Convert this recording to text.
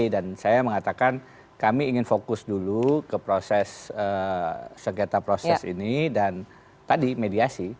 dan saya mengatakan kami ingin fokus dulu ke proses sekretar proses ini dan tadi mediasi